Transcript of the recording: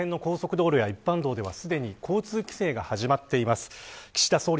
会場周辺の高速道路や一般道では、すでに交通規制が始まっています。